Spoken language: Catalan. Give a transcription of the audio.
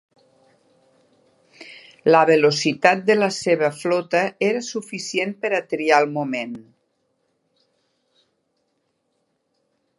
La velocitat de la seva flota era suficient per a triar el moment.